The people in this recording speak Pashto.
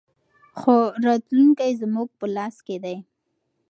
خو راتلونکی زموږ په لاس کې دی.